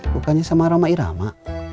bukannya sama roma irama